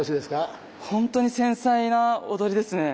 本当に繊細な踊りですね。